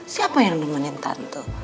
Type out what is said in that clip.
siapa yang nemenin tante